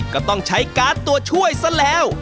ก็ต้องใช้การ์ดตัวช่วยซะแล้ว